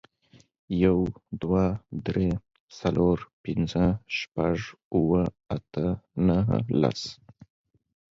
يو، دوه، درې، څلور، پينځه، شپږ، اووه، اته، نهه، لس